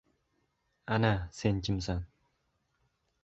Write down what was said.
Ana, sen kimsan!